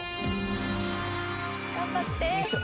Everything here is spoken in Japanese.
「頑張って」